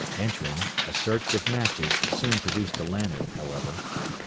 Entering, a search with matches soon produced a lantern, however.